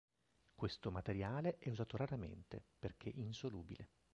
Questo materiale è usato raramente, perché insolubile.